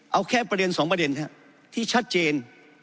เอาแค่ประเด็นสองประเด็นครับที่ชัดเจน